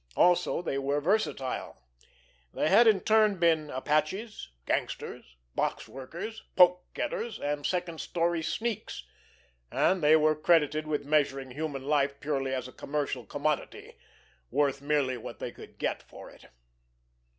Also they were versatile. They had in turn been apaches, gangsters, box workers, poke getters and second story sneaks; and they were credited with measuring human life purely as a commercial commodity—worth merely what they could get for it.